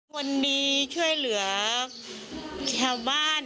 คนดีช่วยเหลือชาวบ้าน